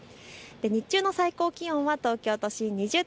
日中の最高気温が東京都心